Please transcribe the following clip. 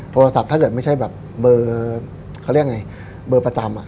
โทรศัพท์ถ้าเกิดไม่ใช่เบอร์ประจำ